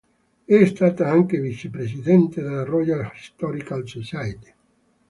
È stata anche vicepresidente della Royal Historical Society.